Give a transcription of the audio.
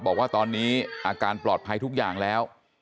บอกว่าตอนนี้อาการปลอดภัยทุกอย่างแล้ว